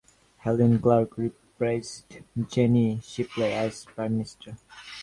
Helen Clark replaced Jenny Shipley as Prime Minister.